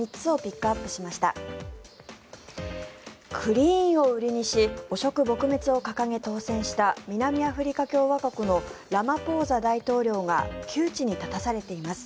クリーンを売りにし汚職撲滅を掲げ、当選した南アフリカ共和国のラマポーザ大統領が窮地に立たされています。